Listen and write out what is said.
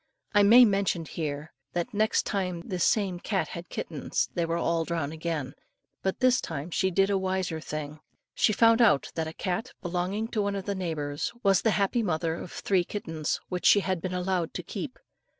I may mention here, that next time this same cat had kittens they were all drowned again; but this time she did a wiser thing. She found out that a cat, belonging to one of the neighbours, was the happy mother of three kittens which she had been allowed to keep.